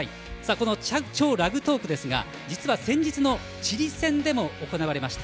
この「＃超ラグトーク」ですが実は先日のチリ戦でも行われました。